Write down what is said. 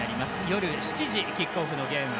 夜７時、キックオフのゲーム。